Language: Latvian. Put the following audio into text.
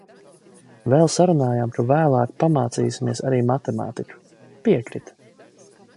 Vēl sarunājām, ka vēlāk pamācīsimies arī matemātiku. Piekrita.